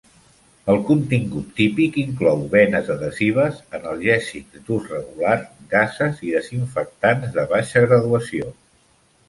El contingut típic inclou benes adhesives, analgèsics d'ús regular, gases i desinfectants de baixa graduació.